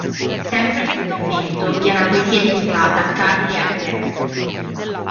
Sempre su "Tormento" vi è una poesia dedicata a Karl Liebknecht.